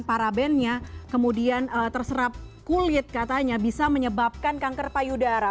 parabennya kemudian terserap kulit katanya bisa menyebabkan kanker payudara